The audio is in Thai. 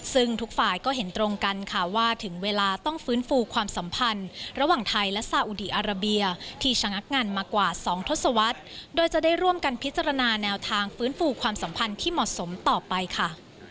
ซึ่งทุกฝ่ายก็เห็นตรงกันค่ะว่าถึงเวลาต้องฟื้นฟูความสัมพันธ์ระหว่างไทยและซาอุดีอาราเบียที่ชะงักงานมากว่า๒ทศวรรษโดยจะได้ร่วมกันพิจารณาแนวทางฟื้นฟูความสัมพันธ์ที่เหมาะสมต่อไปค่ะ